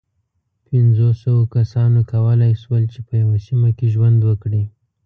پينځو سوو کسانو کولی شول، چې په یوه سیمه کې ژوند وکړي.